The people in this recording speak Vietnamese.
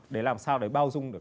để làm sao để bao dung được